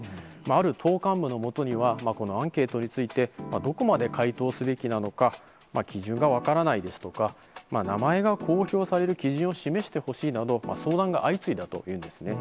ある党幹部のもとには、このアンケートについて、どこまで回答すべきなのか、基準が分からないですとか、名前が公表される基準を示してほしいなど、相談が相次いだというんですね。